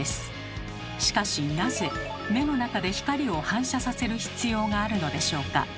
しかしなぜ目の中で光を反射させる必要があるのでしょうか？